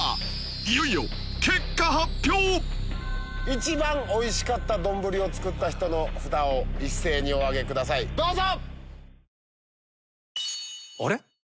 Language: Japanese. いよいよ結果発表一番おいしかった丼を作った人の札を一斉にお上げくださいどうぞ。